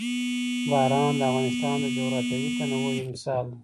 باران د افغانستان د جغرافیوي تنوع یو مثال دی.